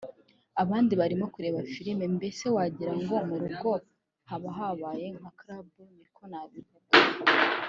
abandi barimo kureba filime mbese wagira ngo mu rugo haba habaye nka club niko nabivuga